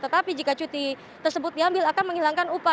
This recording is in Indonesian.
tetapi jika cuti tersebut diambil akan menghilangkan upah